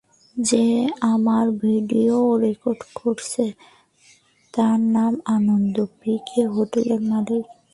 যে আমার video record করেছে, তার নাম আনন্দ, পিকে হোটেলের মালিক।